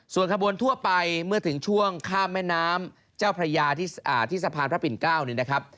ส่วนขบวนทั่วไปเมื่อถึงช่วงข้ามแม่น้ำเจ้าพระยาที่สะพานพระปิ่น๙นี่นะครับ